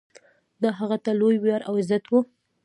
دا هغه ته لوی ویاړ او عزت و.